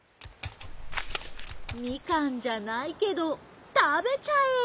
みかんじゃないけどたべちゃえ！